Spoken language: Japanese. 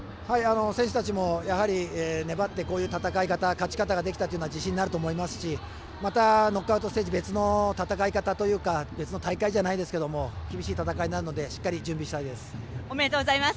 選手たちも粘ってこういう戦い方や勝ち方ができたというのは自信になると思いますしまたノックアウトステージ別の戦い方というか別の大会じゃないですが厳しい戦いになるのでおめでとうございます。